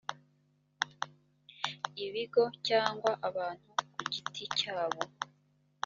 ibigo cyangwa abantu ku giti cyabo